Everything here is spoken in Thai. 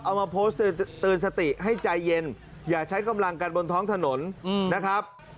เอามาโพสต์เตือนสติให้ใจเย็นอย่าใช้กำลังกันบนท้องถนนนะครับ